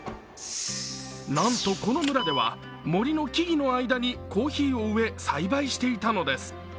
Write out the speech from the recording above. なんとこの村では森の木々の間にコーヒーを植え栽培していたのです。